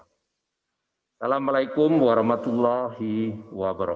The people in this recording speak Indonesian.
assalamu'alaikum warahmatullahi wabarakatuh